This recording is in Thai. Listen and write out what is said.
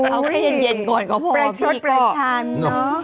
เอาแค่เย็นก่อนก็พอพี่ก็แปลกช้อนแปลกชันเนอะ